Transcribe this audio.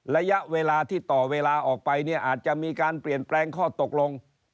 ระยะเวลาที่ต่อเวลาออกไปเนี่ยอาจจะมีการเปลี่ยนแปลงข้อตกลง